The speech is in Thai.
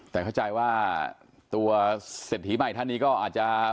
แต่เข้าใจว่าตัวเศรษฐีใหม่ท่านนี้ก็อาจจะ